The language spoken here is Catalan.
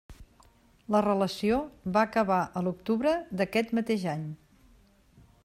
La relació va acabar a l'octubre d'aquest mateix any.